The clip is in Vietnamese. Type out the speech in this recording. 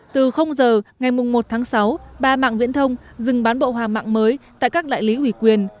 từ giờ ngày một tháng sáu ba mạng viễn thông dừng bán bộ hòa mạng mới tại các đại lý ủy quyền